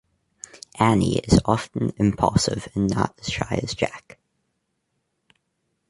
Annie is often impulsive and not as shy as Jack.